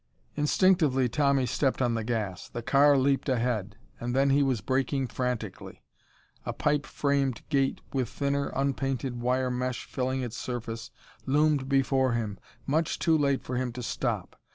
Instinctively, Tommy stepped on the gas. The car leaped ahead. And then he was braking frantically. A pipe framed gate with thinner, unpainted wire mesh filling its surface loomed before him, much too late for him to stop.